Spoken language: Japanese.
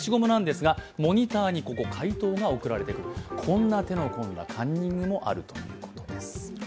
こんな手の込んだカンニングもあるということです。